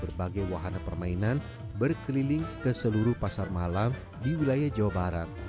berbagai wahana permainan berkeliling ke seluruh pasar malam di wilayah jawa barat